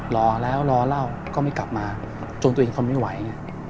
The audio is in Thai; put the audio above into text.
รอแล้วรอเล่าก็ไม่กลับมาจนตัวเองทนไม่ไหวไง